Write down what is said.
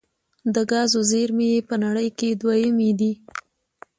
د ګازو زیرمې یې په نړۍ کې دویمې دي.